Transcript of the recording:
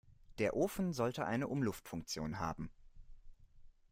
Der Ofen sollte eine Umluftfunktion haben.